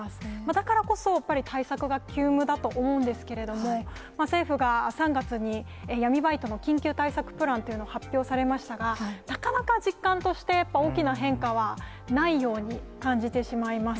だからこそ、やっぱり対策が急務だと思うんですけれども、政府が３月に闇バイトの緊急対策プランというのを発表されましたが、なかなか実感として、やっぱり大きな変化はないように感じてしまいます。